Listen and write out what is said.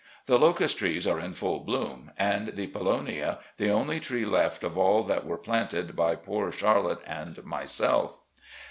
The locust trees are in full bloom, and the polonia, the only tree left of all that were planted by poor Char lotte and myself.